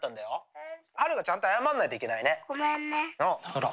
あら。